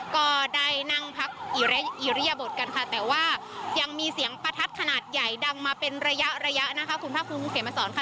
ก็ได้นั่งพักอิริยบทกันค่ะแต่ว่ายังมีเสียงประทัดขนาดใหญ่ดังมาเป็นระยะระยะนะคะคุณภาคภูมิคุณเขมสอนค่ะ